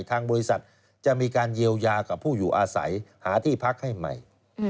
ทางบริษัทจะมีการเยียวยากับผู้อยู่อาศัยหาที่พักให้ใหม่